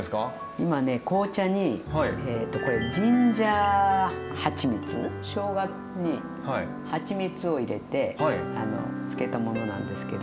今ね紅茶にこれしょうがにはちみつを入れて漬けたものなんですけど。